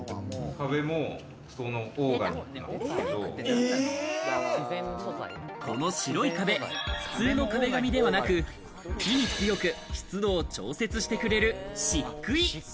壁もオーガニックなんですけこの白い壁、普通の壁紙ではなく、日に強く、湿度を調節してくれる漆喰。